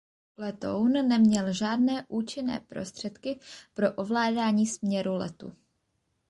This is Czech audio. Letoun neměl žádné účinné prostředky pro ovládání směru letu.